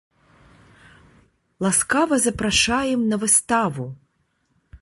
Ласкава запрашаем на выставу!